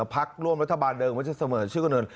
พักร่วมรัฐบาลเดิมวัฒนธรรมชื่อกระเนิน